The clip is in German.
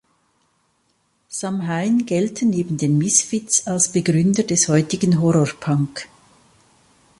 Samhain gelten neben den Misfits als Begründer des heutigen Horrorpunk.